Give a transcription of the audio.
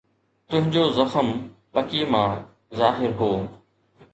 تنهنجو زخم پڪي مان ظاهر هو